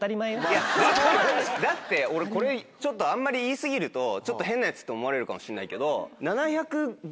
だって俺これちょっとあんまり言い過ぎるとちょっと変なヤツって思われるかもしんないけど。